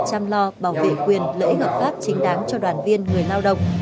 chăm lo bảo vệ quyền lễ hợp pháp chính đáng cho đoàn viên người lao động